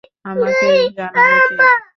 আমাকে জানাবে কে?